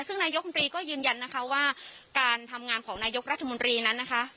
ซึ่งนายกมนตรีก็ยืนยันนะคะว่าการทำงานของนายกรัฐมนตรีนั้นนะคะ